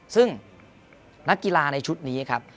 ซึ่งนักกีฬาในชุดนี้ครับ